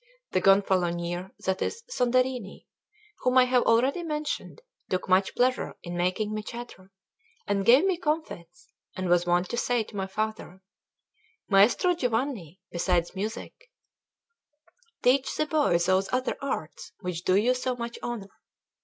The Gonfalonier, that is, Soderini, whom I have already mentioned, took much pleasure in making me chatter, and gave me comfits, and was wont to say to my father: "Maestro Giovanni, besides music, teach the boy those other arts which do you so much honour."